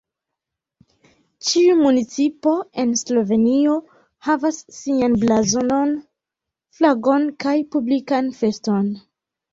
Ĉiu municipo en Slovenio havas sian blazonon, flagon kaj publikan feston.